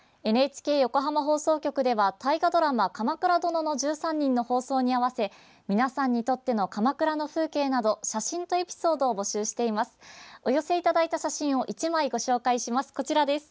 ＮＨＫ横浜放送局では大河ドラマ「鎌倉殿の１３人」の放送に合わせ皆さんにとっての鎌倉の風景など写真とエピソードを募集しています。